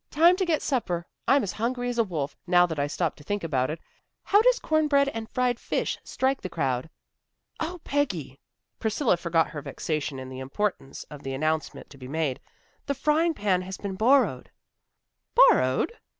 "Time to get supper. I'm as hungry as a wolf, now that I stop to think about it. How does cornbread and fried fish strike the crowd?" "O Peggy," Priscilla forgot her vexation in the importance of the announcement to be made, "the frying pan has been borrowed!" "Borrowed!"